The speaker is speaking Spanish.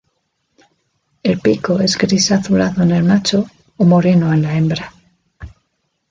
El pico es gris azulado en el macho o moreno en la hembra.